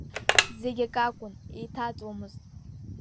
Зегьакакәын еиҭаҵуамызт.